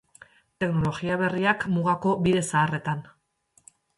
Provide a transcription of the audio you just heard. Teknologia berriak mugako bide zaharretan.